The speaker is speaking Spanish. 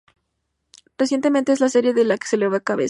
Recientemente en la serie se le va la cabeza.